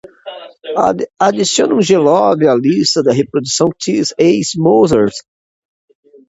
Adicione g love à lista de reprodução This Is Mozart.